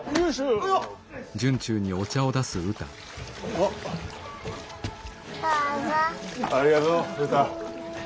ありがとううた。